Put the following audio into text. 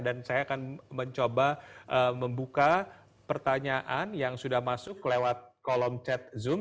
dan saya akan mencoba membuka pertanyaan yang sudah masuk lewat kolom chat zoom